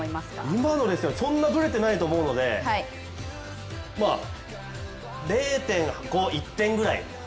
今のですか、そんなブレてないと思うので０．５点ぐらい？